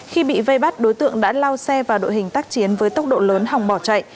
khi bị vây bắt đối tượng đã lao xe vào đội hình tác chiến với tốc độ lớn hòng bỏ chạy